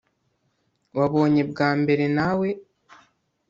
Wabonye bwa mbere Nawe